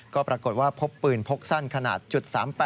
ก็ปรากฏว่าพบปืนพกสั้นขนาด๓๘